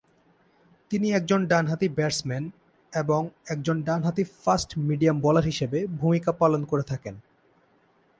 তিনি একজন ডান-হাতি ব্যাটসম্যান এবং একজন ডান-হাতি ফাস্ট মিডিয়াম বোলার হিসেবে ভূমিকা পালন করে থাকেন।